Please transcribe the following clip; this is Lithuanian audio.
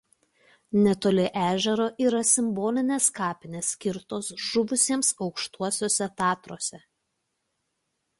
Netoli ežero yra Simbolinės kapinės skirtos žuvusiems Aukštuosiuose Tatruose.